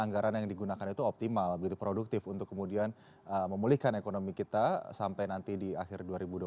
anggaran yang digunakan itu optimal begitu produktif untuk kemudian memulihkan ekonomi kita sampai nanti di akhir dua ribu dua puluh satu